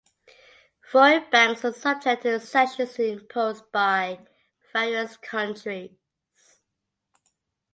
Foreign banks are subject to sanctions imposed by various countries.